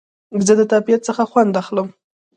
زه د طبیعت څخه خوند اخلم